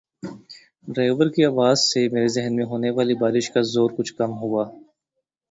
driver کی آواز سے میرے ذہن میں ہونے والی بار ش کا زور کچھ کم ہوا